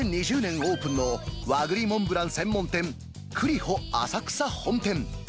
オープンの和栗モンブラン専門店、栗歩浅草本店。